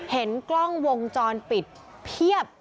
เห็นกล้องวงจรปิดเพียบ